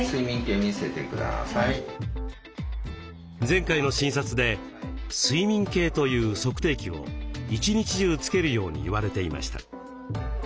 前回の診察で睡眠計という測定器を一日中つけるように言われていました。